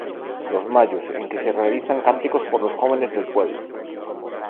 Los Mayos, en que se realizan cánticos por los jóvenes del pueblo.